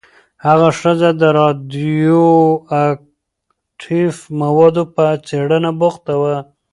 هغه ښځه د راډیواکټیف موادو په څېړنه بوخته وه.